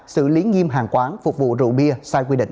kiêm hàng quán phục vụ rượu bia sai quy định